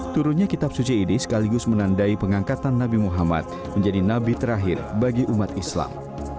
turunnya kitab suci ini sekaligus menandai pengangkatan nabi muhammad menjadi nabi terakhir bagi umat islam